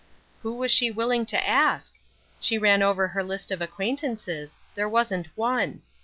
Who was she willing to ask? She ran over her list of acquaintances; there wasn't one.